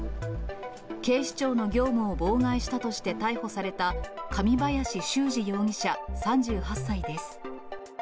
警視庁の業務を妨害したとして逮捕された、神林修二容疑者３８歳です。